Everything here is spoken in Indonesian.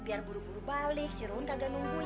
biar buru buru balik si ruman kagak nungguin